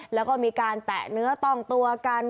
แล้วก็มีการแตะเนื้อต้องตัวกัน